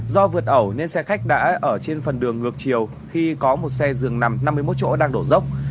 do vượt ẩu nên xe khách đã ở trên phần đường ngược chiều khi có một xe dường nằm năm mươi một chỗ đang đổ dốc